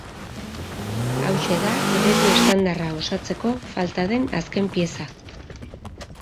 Hauxe da eredu estandarra osatzeko falta den azken pieza.